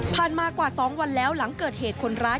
มากว่า๒วันแล้วหลังเกิดเหตุคนร้าย